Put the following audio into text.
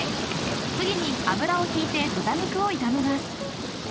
［次に油を引いて豚肉を炒めます］